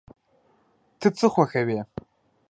ته څه خوښوې؟